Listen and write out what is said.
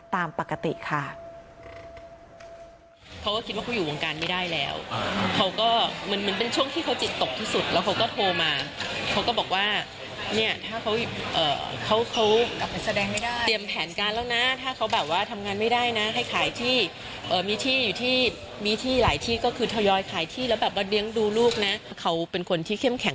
ตามปกติค่ะ